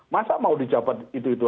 masa mau di jabat itu itu